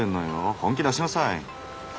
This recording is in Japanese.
本気出しなさい！